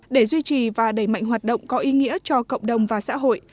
để duy trì và đẩy mạnh hoạt động có ý nghĩa cho cộng đồng và xã hội